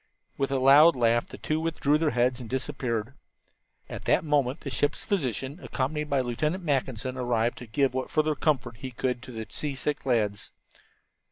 With a loud laugh the two withdrew their heads and disappeared. At that moment the ship's physician, accompanied by Lieutenant Mackinson, arrived to give what further comfort he could to the seasick lads.